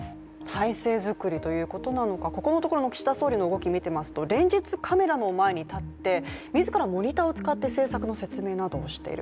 体制作りということなのか、ここのところの岸田総理の動きを見ていますと連日カメラの前に立って、自らモニターを使って政策の説明などをしている。